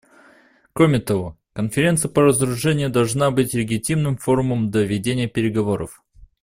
Кроме того, Конференция по разоружению должна быть легитимным форумом для ведения переговоров.